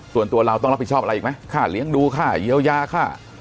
ส่วนตัวเราต้องรับผิดชอบอะไรอีกไหมค่าเลี้ยงดูค่าเยียวยาค่า